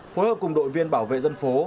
phối hợp cùng đội viên bảo vệ dân phố